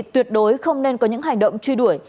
tuyệt đối không nên có những hành động truy đuổi